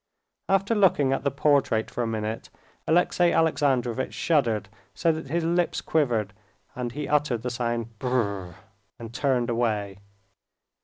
After looking at the portrait for a minute, Alexey Alexandrovitch shuddered so that his lips quivered and he uttered the sound "brrr," and turned away.